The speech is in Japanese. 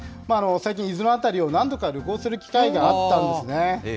最近、伊豆の辺りを何度か旅行する機会があったんですね。